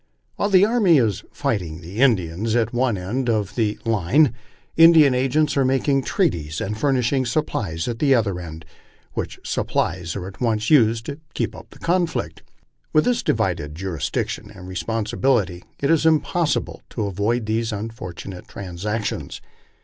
While the army is fighting the Indians at one end of the line, Indian agents are making treaties and furnishing supplies at the other end, which sup plies are at once used to keep up the conflict. With this divided jurisdiction and responsibility it is impossible to avoid these unfortunate transactions.